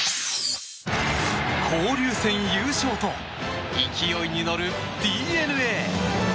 交流戦優勝と勢いに乗るＤｅＮＡ！